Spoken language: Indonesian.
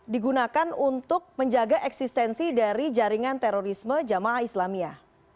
digunakan untuk menjaga eksistensi dari jaringan terorisme jamaah islamia